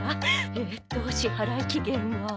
えっと支払い期限は。